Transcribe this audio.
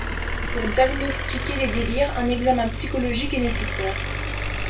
Pour diagnostiquer les délires, un examen psychologique est nécessaire.